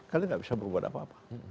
kalian gak bisa berbuat apa apa